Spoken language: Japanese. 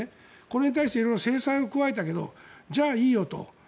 これに対して色々制裁を加えたけどじゃあいいよと。